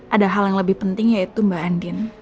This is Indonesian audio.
ada hal yang lebih penting yaitu mbak andin